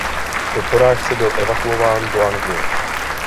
Po porážce byl evakuován do Anglie.